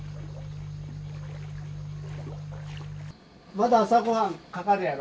まだ朝ごはんかかるやろ。